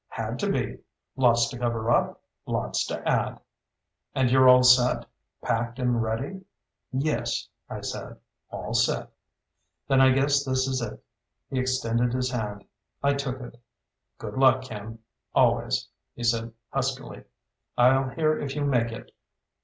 "Had to be. Lots to cover up. Lots to add." "And you're all set? Packed and ready?" "Yes," I said. "All set." "Then I guess this is it." He extended his hand. I took it. "Good luck, Kim. Always," he said huskily. "I'll hear if you make it.